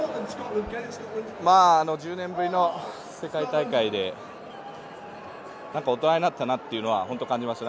１０年ぶりの世界大会で、大人になったなというのは感じました。